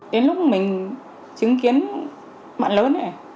đến lúc mình chứng kiến bạn lớn này